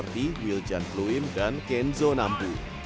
di wiljan fluim dan kenzo nambu